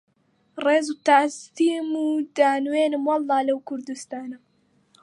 ڕێز و تەعزیم دانوێنم وەڵڵا لەو کوردوستانە